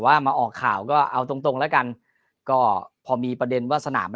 ว่ามาออกข่าวก็เอาตรงตรงแล้วกันก็พอมีประเด็นว่าสนาม